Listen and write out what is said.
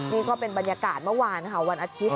นี่ก็เป็นบรรยากาศเมื่อวานค่ะวันอาทิตย์